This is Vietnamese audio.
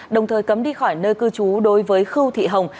đồng thời cấm đi khỏi nơi cư trú đối với khư thị hồng